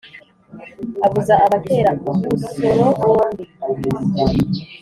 Abuza abatera ubusoro bombi